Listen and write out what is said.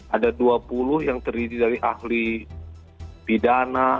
ada dua puluh yang terdiri dari ahli pidana